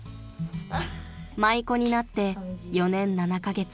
［舞妓になって４年７カ月］